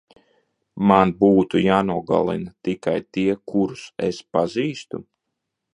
Man būtu jānogalina tikai tie, kurus es pazīstu?